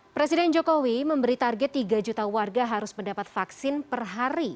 presiden jokowi memberi target tiga juta warga harus mendapat vaksin per hari